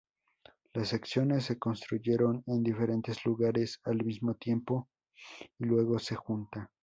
Las secciones se construyeron en diferentes lugares al mismo tiempo y luego se junta.